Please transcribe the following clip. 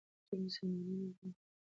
ټول مسلمانان وروڼه دي.